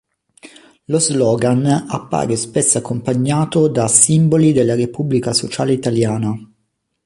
Lo slogan appare spesso accompagnato da simboli della Repubblica Sociale Italiana.